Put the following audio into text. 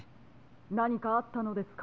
・なにかあったのですか？